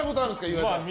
岩井さん。